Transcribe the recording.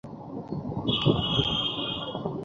এতো যাতে জোর করছো।